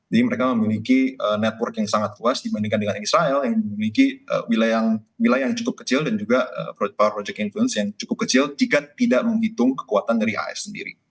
jadi mereka memiliki network yang sangat luas dibandingkan dengan israel yang memiliki wilayah yang cukup kecil dan juga power projecting influence yang cukup kecil jika tidak menghitung kekuatan dari as sendiri